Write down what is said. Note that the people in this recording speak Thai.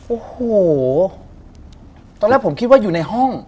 โอ้โหตอนแรกผมคิดว่าอยู่ในห้อง